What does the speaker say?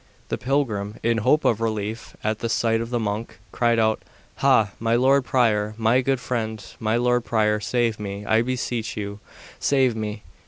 The pilgrim, in hope of relief at the sight of the monk, cried out, Ha, my lord prior, my good friend, my lord prior, save me, I beseech you, save me!